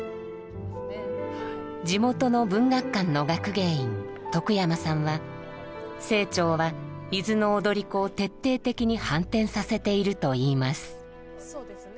地元の文学館の学芸員徳山さんは清張は「伊豆の踊子」を徹底的に反転させているといいます。